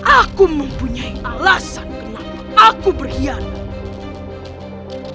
aku mempunyai alasan kenapa aku berkhianat